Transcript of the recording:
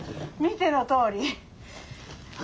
見てのとおり。